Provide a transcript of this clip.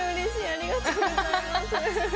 ありがとうございます。